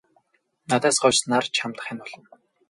Надаас хойш нар чамд хань болно.